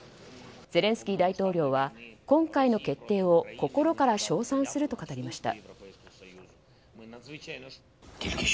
ゼレンスキー大統領は今回の決定を心から称賛すると語りました。